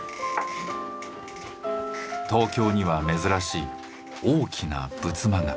東京には珍しい大きな仏間が。